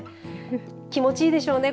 気持ちいいでしょうね。